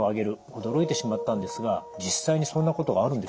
驚いてしまったんですが実際にそんなことがあるんでしょうか？